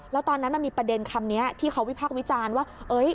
แล้วตอนนั้นมันมีประเด็นคำนี้ที่เขาวิพากษ์วิจารณ์ว่า